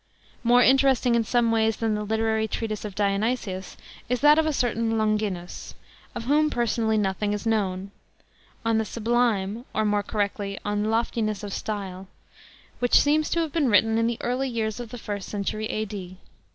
* More interesting in some ways than the literary treatise of Dionys us is that of a certain LOXOINUS — of whom personally nothing is known — "on the sublime" (or more correctly "on loftiness of style "),f which seems to have been written in the early years of the first century A D.